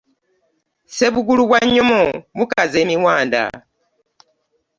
Ssebugulu bwa nnyomo bukaza emiwanda.